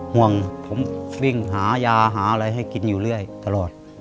ห่วงผมวิ่งหายาหาอะไรให้กินอยู่เรื่อยตลอด